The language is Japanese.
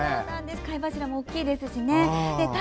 貝柱も大きいですし。